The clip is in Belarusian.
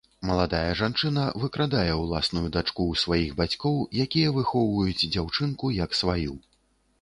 Маладая жанчына выкрадае ўласную дачку ў сваіх бацькоў, якія выхоўваюць дзяўчынку як сваю.